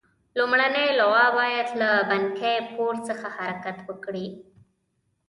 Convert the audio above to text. لومړنۍ لواء باید له بنکي پور څخه حرکت وکړي.